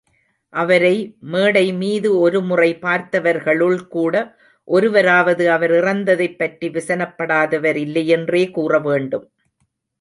அவரை மேடைமீது ஒருமுறை பார்த்தவர்களுள் கூட ஒருவராவது அவர் இறந்ததைப் பற்றி விசனப்படாதவர் இல்லையென்றே கூற வேண்டும்.